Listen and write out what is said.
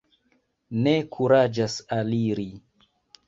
Ne kuraĝas aliri.